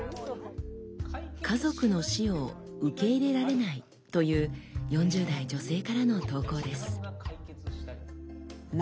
「家族の死を受け入れられない」という４０代女性からの投稿です。